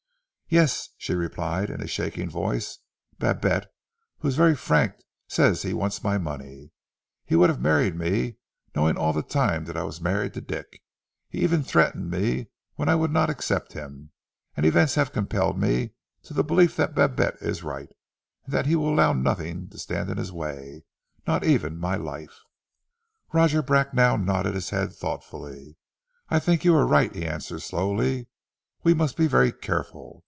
"Yes," she replied in a shaking voice. "Babette, who is very frank, says he wants my money. He would have married me, knowing all the time that I was married to Dick. He even threatened me when I would not accept him, and events have compelled me to the belief that Babette is right, and that he will allow nothing to stand in his way, not even my life." Roger Bracknell nodded his head thoughtfully. "I think you are right," he answered slowly. "We must be very careful.